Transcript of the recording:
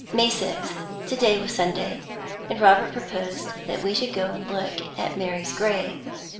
May 6th. To day was Sunday, and Robert proposed that we should go and look at Mary's grave.